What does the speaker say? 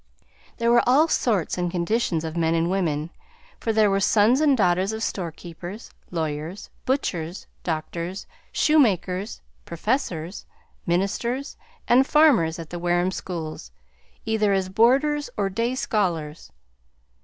There were all sorts and conditions of men and women, for there were sons and daughters of storekeepers, lawyers, butchers, doctors, shoemakers, professors, ministers, and farmers at the Wareham schools, either as boarders or day scholars.